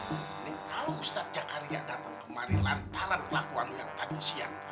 ini kalo ustadz jakaria datang kemarin lantaran perlakuan lu yang tadi siang